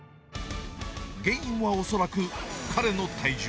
原因は恐らく、彼の体重。